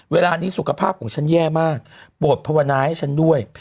เวลานี้สุขภาพของฉันแย่มากโปรดภาวนาให้ฉันด้วย